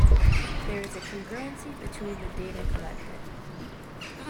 There is a congruency between the data collected.